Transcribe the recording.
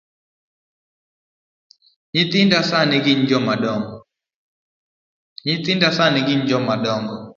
Nyithinda sani gin jomadongo.